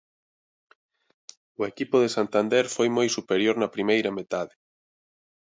O equipo de Santander foi moi superior na primeira metade.